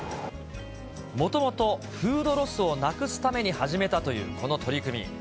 もともと、フードロスをなくすために始めたというこの取り組み。